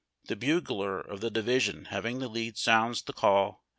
The bugler of the divis ion having the lead sounds the call Attention.